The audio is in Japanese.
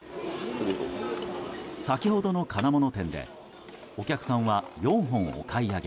先ほどの金物店でお客さんは４本お買い上げ。